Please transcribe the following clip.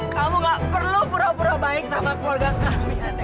kamu gak perlu pura pura baik sama keluarga kami